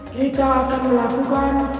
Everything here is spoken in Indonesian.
kita akan melakukan